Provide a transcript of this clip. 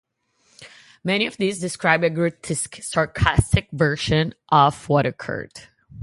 Many of these describe a grotesque, sarcastic version of what occurred.